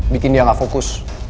bikin dia gak fokus